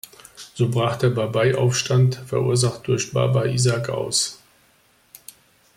So brach der Babai-Aufstand, verursacht durch Baba Isaak, aus.